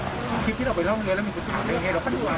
คิดที่เราไปร่องเรียนแล้วมีคนถามเรื่องงาน